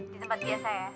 di tempat biasa ya